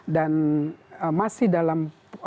dan masih dalam